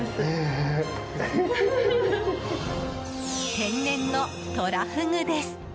天然のトラフグです。